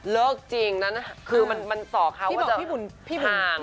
เลิกจริงนะคือมันส่อเขาว่าจะห่าง